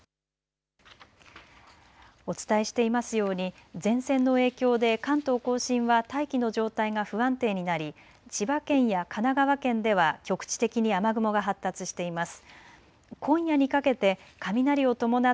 お伝えしていますように前線の影響で関東甲信は大気の状態が不安定になり千葉県や神奈川県では局地的に雨雲が発達しています。